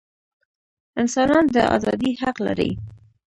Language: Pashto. انسانان د ازادۍ حق لري.